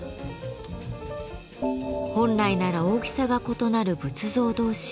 本来なら大きさが異なる仏像同士。